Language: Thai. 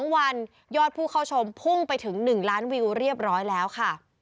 ๒วันยอดผู้เข้าชมพุ่งไปถึง๑ล้านวิวเรียบร้อยแล้วค่ะ